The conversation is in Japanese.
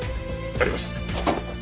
やります！